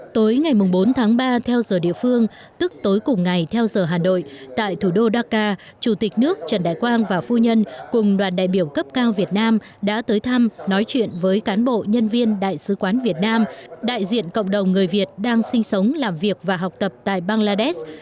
tối ngày bốn tháng ba theo giờ địa phương tức tối cùng ngày theo giờ hà nội tại thủ đô dakar chủ tịch nước trần đại quang và phu nhân cùng đoàn đại biểu cấp cao việt nam đã tới thăm nói chuyện với cán bộ nhân viên đại sứ quán việt nam đại diện cộng đồng người việt đang sinh sống làm việc và học tập tại bangladesh